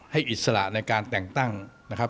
อิสระในการแต่งตั้งนะครับ